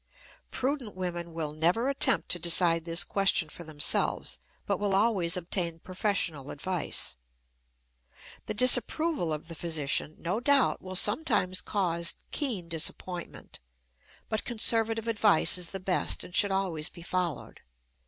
Prudent women will never attempt to decide this question for themselves, but will always obtain professional advice. The disapproval of the physician, no doubt, will sometimes cause keen disappointment; but conservative advice is the best and should always be followed.